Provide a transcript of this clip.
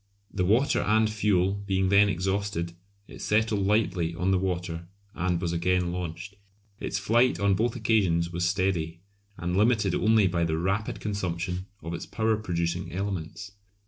The water and fuel being then exhausted it settled lightly on the water and was again launched. Its flight on both occasions was steady, and limited only by the rapid consumption of its power producing elements.